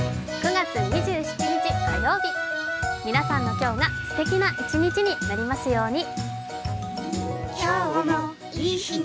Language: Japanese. ９月２７日火曜日、皆さんの今日がすてきな一日になりますように。